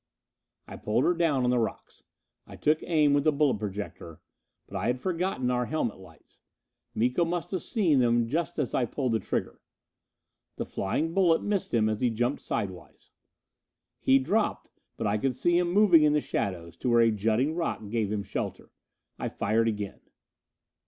I pulled her down on the rocks. I took aim with the bullet projector. But I had forgotten our helmet lights. Miko must have seen them just as I pulled the trigger. The flying bullet missed him as he jumped sidewise. He dropped, but I could see him moving in the shadows to where a jutting rock gave him shelter. I fired again.